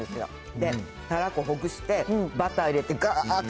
で、たらこ、ほぐして、バター入れて、がーって。